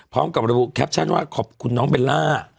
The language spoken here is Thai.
พร้อมกับระบุแคปชั่นว่าขอบคุณน้องเบลล่า